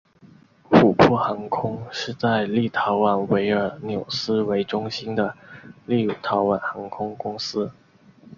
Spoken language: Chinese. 琥珀航空是在立陶宛维尔纽斯为中心的立陶宛航空公司。